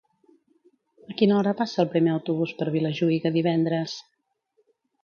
A quina hora passa el primer autobús per Vilajuïga divendres?